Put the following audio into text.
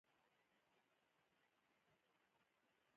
ته به څنګه د ډوډۍ خیر پر چا وکړې.